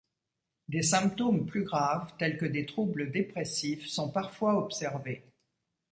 Des symptômes plus graves, tels que des troubles dépressifs sont parfois observés.